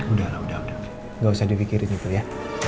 udah lah udah udah gak usah dipikirin itu ya